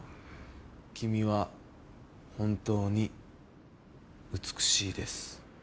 「君は本当に美しいです」。